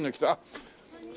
こんにちは。